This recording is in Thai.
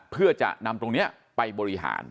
เพื่อจะนำตรงนี้ไปบริหาร